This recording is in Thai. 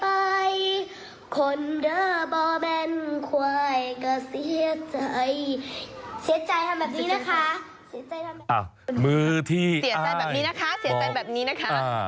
เสียใจทำแบบนี้นะคะเสียใจทำแบบนี้นะคะอ่ามือที่อ้ายเสียใจแบบนี้นะคะเสียใจแบบนี้นะคะอ่า